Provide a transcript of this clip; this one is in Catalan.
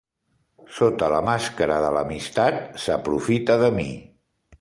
Sota la màscara de l'amistat s'aprofita de mi.